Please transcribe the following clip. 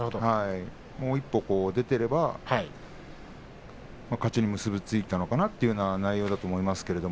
もう一歩出ていれば勝ちに結び付いたのかなという内容だったと思います。